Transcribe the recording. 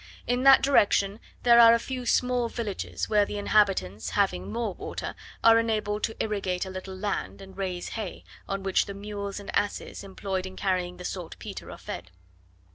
In that direction there are a few small villages, where the inhabitants, having more water, are enabled to irrigate a little land, and raise hay, on which the mules and asses, employed in carrying the saltpetre, are fed.